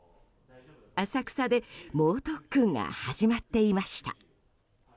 浅草で猛特訓が始まっていました。